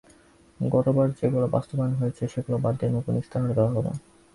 গতবার যেগুলো বাস্তবায়ন হয়েছে সেগুলো বাদ দিয়ে নতুন ইশতেহার দেওয়া হবে।